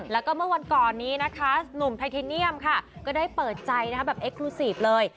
แล้วก็เมื่อวันก่อนนี้นะคะหนุ่มไททิเนียมค่ะก็ได้เปิดใจแบบเอ็กครูซีฟเลย